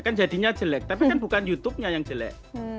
kan jadinya jelek tapi kan bukan youtubenya yang jelek